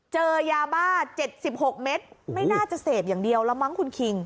เจอยาบ้า๗๖เมตรไม่น่าจะเสพอย่างเดียวแล้วมั้งคุณคิง